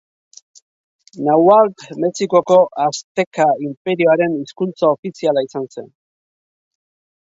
Nahuatl Mexikoko Azteka Inperioaren hizkuntza ofiziala izan zen.